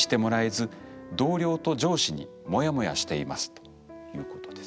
ということです。